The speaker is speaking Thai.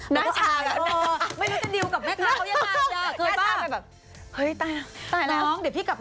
น่ะชะ